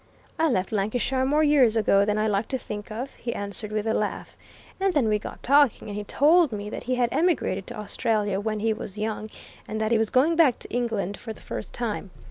'I left Lancashire more years ago than I like to think of,' he answered, with a laugh. And then we got talking, and he told me that he had emigrated to Australia when he was young, and that he was going back to England for the first time.